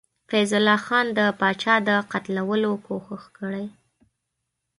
فیض الله خان د پاچا د قتلولو کوښښ کړی.